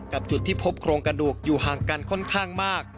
จุดที่พบโครงกระดูกอยู่ห่างกันค่อนข้างมาก